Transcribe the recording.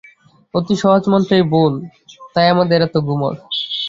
অতি সহজ মন্ত্রেই ভোল, তাই আমাদের এত গুমর।